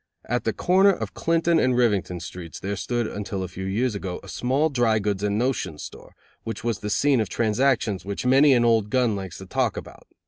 At the corner of Clinton and Rivington Streets there stood until a few years ago a small dry goods and notions store, which was the scene of transactions which many an old gun likes to talk about.